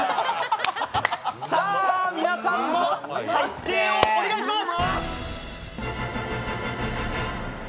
さあ皆さん、判定をお願いします。